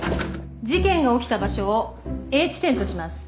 事件が起きた場所をＡ地点とします。